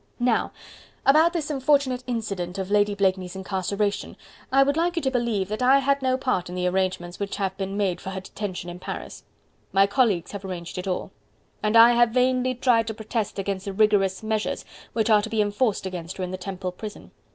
Now, about this unfortunate incident of Lady Blakeney's incarceration, I would like you to believe that I had no part in the arrangements which have been made for her detention in Paris. My colleagues have arranged it all... and I have vainly tried to protest against the rigorous measures which are to be enforced against her in the Temple prison....